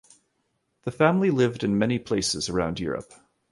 The family lived in many places around Europe.